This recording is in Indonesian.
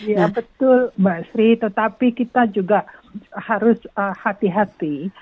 ya betul mbak sri tetapi kita juga harus hati hati